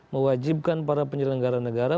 mewajibkan para penyelenggara negara